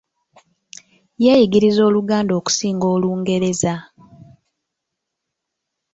Yeeyigiriza OLuganda okusinga Olungereza.